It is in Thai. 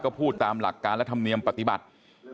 ก็พูดตามหลักการและธรรมเนียมปฏิบัติ